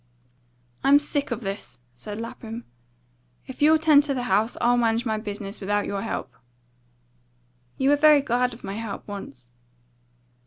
"I'm sick of this," said Lapham. "If you'll 'tend to the house, I'll manage my business without your help." "You were very glad of my help once."